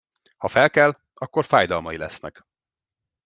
Ha felkel, akkor fájdalmai lesznek.